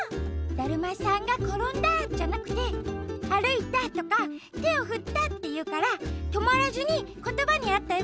「だるまさんがころんだ」じゃなくて「あるいた」とか「てをふった」っていうからとまらずにことばにあったうごきをしてね。